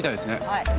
はい。